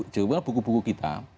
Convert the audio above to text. jauh lebih banyak buku buku kita